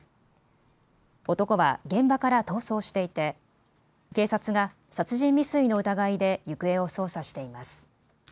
男は現場から逃走していて警察が殺人未遂の疑いで行方を捜査しています。